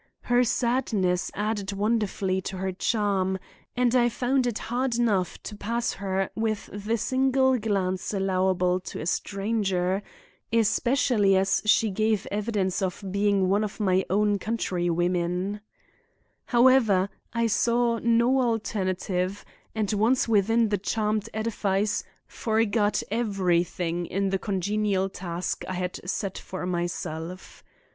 Her sadness added wonderfully to her charm, and I found it hard enough to pass her with the single glance allowable to a stranger, especially as she gave evidence of being one of my own countrywomen: "However, I saw no alternative, and once within the charmed edifice, forgot everything in the congenial task I had set for myself.